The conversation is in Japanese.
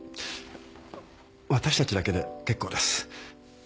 私たちだけで結構です。